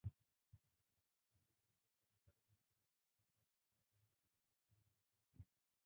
সন্ত্রাসীদের বিরুদ্ধে ব্যবস্থা গ্রহণের মাধ্যমে সরকারকে তার গ্রহণযোগ্যতার প্রমাণ দিতে হবে।